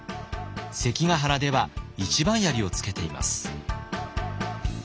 関ヶ原では一番槍をつけています。